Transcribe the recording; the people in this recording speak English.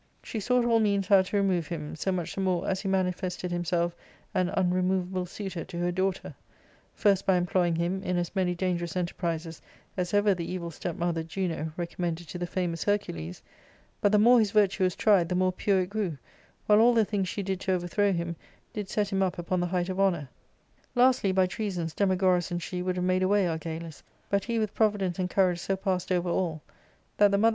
she sought all means how to remove him, so jnuch the more as he manifested himself an unremovable suitor to her daughter, first by employing him in as many dangerous enterprises as ever the evil step mother Juno reconunended to the famous Hercules ; but the more his virtue was tried the more pure it grew, while all the things "she did to over throw him did set him up upon the height of honour. Lastly, by treasons Demagoras and she would have made away Argalus ; but he with providence and courage so passed over all that themother.